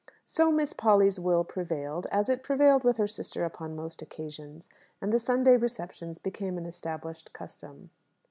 So Miss Polly's will prevailed, as it prevailed with her sister upon most occasions; and the Sunday receptions became an established custom.